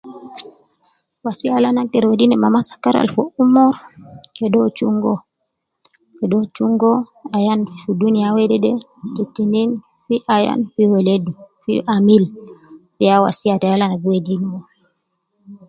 Wasiya al ana agder wedi ne mama ab sakar albgi umma kede uwo chunga uwo ,kede uwo chunga uwo ayan fi fi dunia wede te tinin fi ayan fi weledu, fi amil, de ya wasiya tai al ana gi wedi no